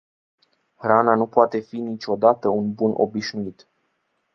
Hrana nu poate fi niciodată un bun obișnuit.